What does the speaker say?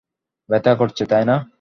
ব্যাথা করছে, তাই না?